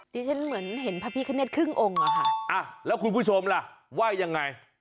ที่ฉันเหมือนเห็นพระพิคเนตครึ่งองค์อ่ะค่ะอ่ะแล้วคุณผู้ชมล่ะว่ายังไง